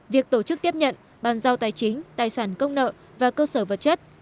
việc tổ chức tiếp nhận bàn giao tài chính tài sản công nợ và cơ sở vật chất